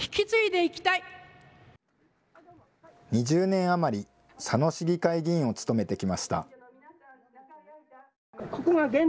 ２０年余り、佐野市議会議員を務めてきました。